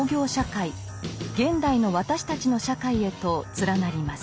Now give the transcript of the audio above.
現代の私たちの社会へと連なります。